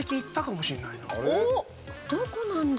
どこなんだ？